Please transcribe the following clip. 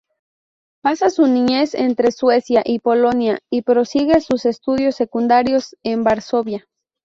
Pasa su niñez entre Suecia y Polonia y prosigue sus estudios secundarios en Varsovia.